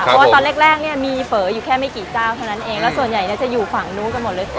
เพราะว่าตอนแรกเนี่ยมีเฝออยู่แค่ไม่กี่เจ้าเท่านั้นเองแล้วส่วนใหญ่จะอยู่ฝั่งนู้นกันหมดเลย